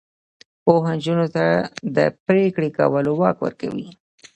پوهه نجونو ته د پریکړې کولو واک ورکوي.